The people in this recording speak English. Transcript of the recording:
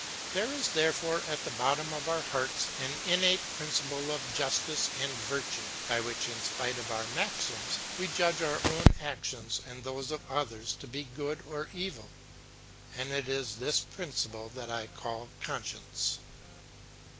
There is therefore at the bottom of our hearts an innate principle of justice and virtue, by which, in spite of our maxims, we judge our own actions or those of others to be good or evil; and it is this principle that I call conscience.